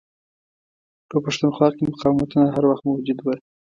په پښتونخوا کې مقاوتونه هر وخت موجود وه.